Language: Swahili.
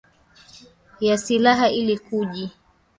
ya ya silaha ili kuji